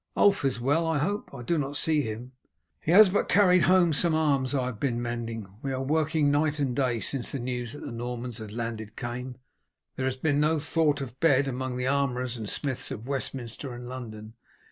Ulf is well, I hope? I do not see him." "He has but carried home some arms I have been mending. We are working night and day; since the news that the Normans had landed came, there has been no thought of bed among the armourers and smiths of Westminster and London.